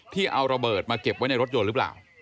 ที่เอาระเบิดมาเก็บไว้ในรถยนต์หรือเปล่า